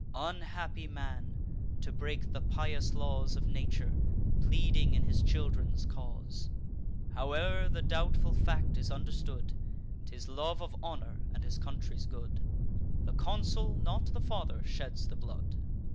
Unhappy man, to break the pious laws Of nature, pleading in his children's cause! Howe'er the doubtful fact is understood, 'Tis love of honour, and his country's good: The consul, not the father, sheds the blood.